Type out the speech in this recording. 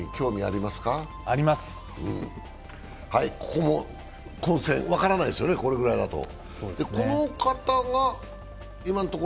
ここも混戦、分からないですね、このくらいだと。